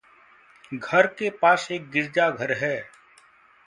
घर के पास एक गिरजाघर है।